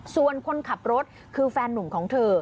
ส่วนคนขับรถคือแฟนนุ่มของเธอ